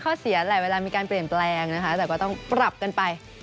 เสียแหละเวลามีการเปลี่ยนแปลงนะคะแต่ก็ต้องปรับกันไป